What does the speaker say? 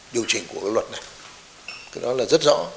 điều chỉnh của luật này đó là rất rõ